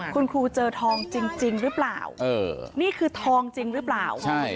คุณครูเจอทองจริงหรือเปล่านี่คือทองจริงหรือเปล่า